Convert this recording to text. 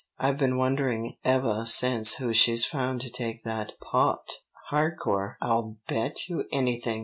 I've been wondering evah since who she's found to take that paht." "Harcourt, I'll bet you anything!"